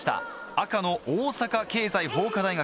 赤の大阪経済法科大学